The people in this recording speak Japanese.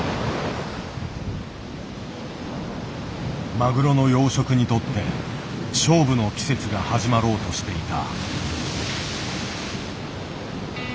マグロの養殖にとって勝負の季節が始まろうとしていた。